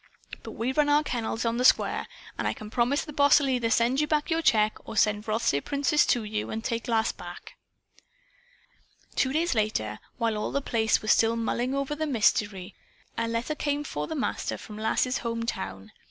But we run our kennels on the square. And I can promise the boss'll either send back your check or send Rothsay Princess to you and take Lass back." Two days later, while all The Place was still mulling over the mystery, a letter came for the Master from Lass's home town.